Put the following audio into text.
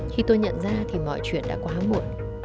khi tôi nhận ra thì mọi chuyện đã quá muộn